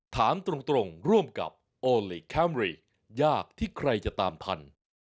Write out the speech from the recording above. ถามตรงร่วมกับโอลี่คัมรี่ยากที่ใครจะตามพันธุ์